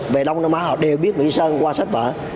về đông nam á họ đều biết mỹ sơn qua sách vở